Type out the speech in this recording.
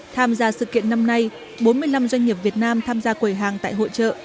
tham gia sự kiện năm nay bốn mươi năm doanh nghiệp việt nam tham gia quầy hàng tại hội trợ